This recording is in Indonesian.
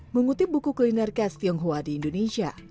mengutip buku kuliner khas tionghoa di indonesia